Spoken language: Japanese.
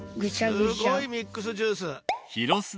すごいミックスジュース。